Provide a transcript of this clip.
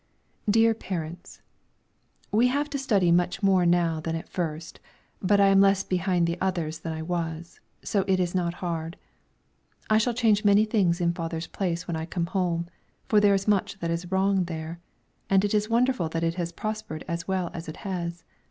DEAR PARENTS, We have to study much more now than at first, but as I am less behind the others than I was, it is not so hard. I shall change many things in father's place when I come home; for there is much that is wrong there, and it is wonderful that it has prospered as well as it has.